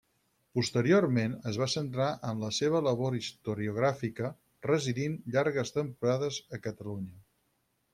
Posteriorment es va centrar en la seva labor historiogràfica, residint llargues temporades a Catalunya.